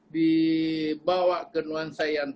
dibawa ke nuansa yang tidak terganggu